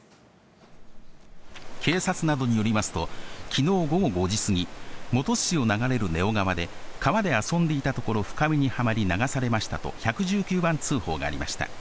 警察などによりますと、きのう午後５時過ぎ、本巣市を流れる根尾川で、川で遊んでいたところ、深みにはまり、流されましたと１１９番通報がありました。